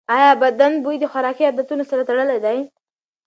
ایا بدن بوی د خوراکي عادتونو سره تړلی دی؟